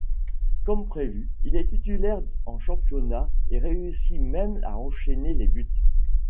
Comme prévu, il est titulaire en championnat, et réussit même à enchaîner les buts.